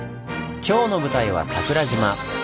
今日の舞台は桜島。